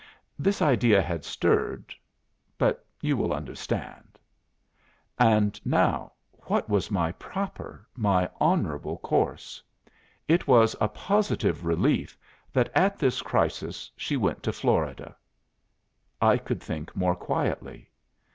This idea had stirred but you will understand. And now, what was my proper, my honourable course? It was a positive relief that at this crisis she went to Florida. I could think more quietly.